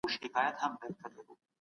واقعي پانګه باید په ټولنه کي زیاته سي.